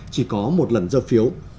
chỉ có một lần dơ phiếu